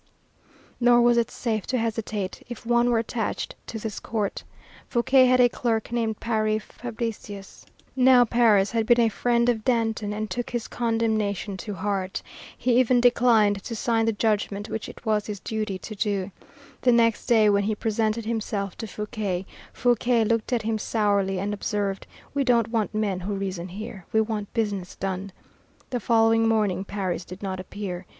Nor was it safe to hesitate if one were attached to this court. Fouquier had a clerk named Paris Fabricius. Now Paris had been a friend of Danton and took his condemnation to heart. He even declined to sign the judgment, which it was his duty to do. The next day, when he presented himself to Fouquier, Fouquier looked at him sourly, and observed, "We don't want men who reason here; we want business done." The following morning Paris did not appear.